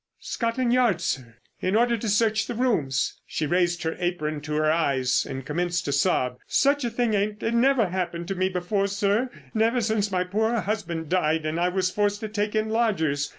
"Scotland Yard, sir. In order to search the rooms." She raised her apron to her eyes and commenced to sob. "Such a thing ain't never happened to me before, sir, never since my poor husband died and I was forced to take in lodgers.